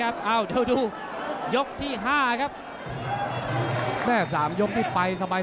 ครับผู้รุ่นน้องน่ะ